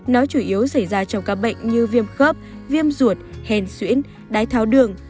nó chủ yếu xảy ra trong các bệnh như viêm khớp viêm ruột hen xuyễn đái tháo đường